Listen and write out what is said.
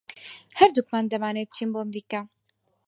ھەردووکمان دەمانەوێت بچین بۆ ئەمریکا.